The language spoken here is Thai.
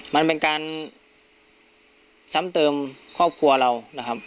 มันเป็นการซ้ำเติมครอบครัวเรานะครับ